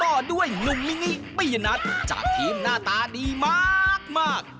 ต่อด้วยหนุ่มมินิปิยนัทจากทีมหน้าตาดีมาก